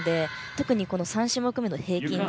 特に３種目めの平均台。